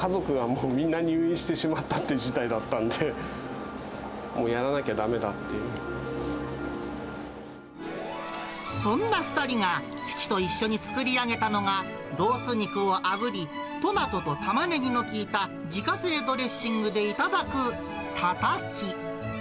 もう家族がみんな入院してしまったという事態だったんで、もうやらなきゃだめだったっていそんな２人が父と一緒に作り上げたのが、ロース肉をあぶり、トマトとたまねぎの効いた自家製ドレッシングで頂くたたき。